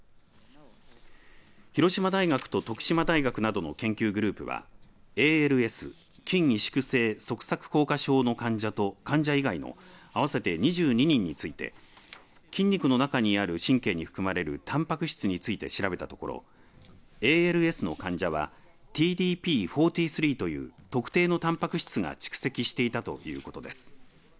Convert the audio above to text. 広島大学と徳島大学などの研究グループはＡＬＳ筋萎縮性側索硬化症の患者と患者以外の合わせて２２人について筋肉の中にある神経に含まれるたんぱく質について調べたところＡＬＳの患者はＴＤＰ‐４３という特定のたんぱく質が蓄積していたということです。